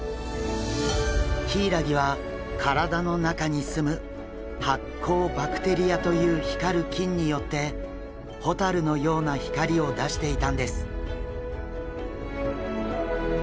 ヒイラギは体の中にすむ発光バクテリアという光る菌によってホタルのような光を出していたんです。